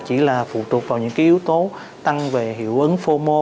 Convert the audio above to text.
chỉ là phụ thuộc vào những cái yếu tố tăng về hiệu ứng fomo